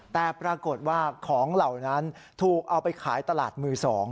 แต่ปรากฏว่าของเหล่านั้นถูกเอาไปขายตลาดมือ๒